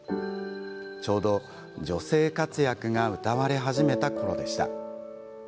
ちょうど女性活躍がうたわれ始めたころでした。